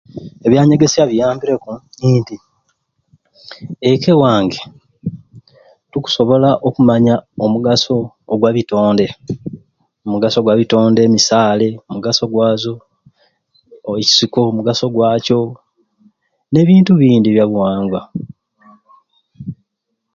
Ebyanyegesya biyambireku nti ekka ewange tukusobola okumanya omugaso ogwa bitonde, omugaso gwa bitonde misale omugaso gwazo, okisiko omugaso gwakyo, nebintu ebindi ebyabuwangwa.